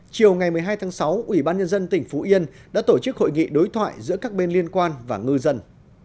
chiều ngày một mươi hai tháng sáu ủy ban nhân dân tỉnh phú yên đã tổ chức hội nghị đối thoại giữa các bên liên quan và ngư dân